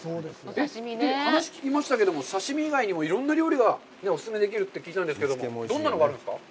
話を聞きましたけど、刺身以外にも、いろんな料理がお勧めできるって聞いたんですけど、どんなものがあるんですか？